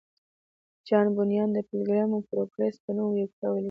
جان بونیان د پیلګریم پروګریس په نوم یو کتاب ولیکه